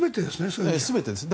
全てですね。